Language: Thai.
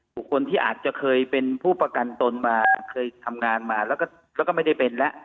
บุคคลที่อาจจะเคยเป็นผู้ประกันตนมาเคยทำงานมาแล้วก็ไม่ได้เป็นแล้ว